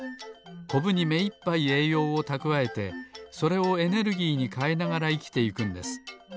コブにめいっぱいえいようをたくわえてそれをエネルギーにかえながらいきていくんです。